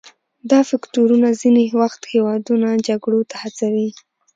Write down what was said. دا فکتورونه ځینې وخت هیوادونه جګړو ته هڅوي